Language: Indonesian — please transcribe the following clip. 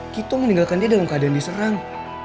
kito meninggalkan dia dalam keadaan diserang